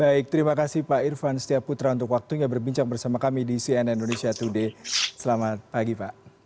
baik terima kasih pak irfan setia putra untuk waktunya berbincang bersama kami di cnn indonesia today selamat pagi pak